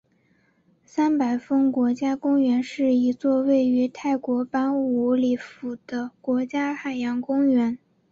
三百峰国家公园是一座位于泰国班武里府的国家海洋公园。